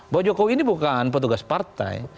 bahwa jokowi ini bukan petugas partai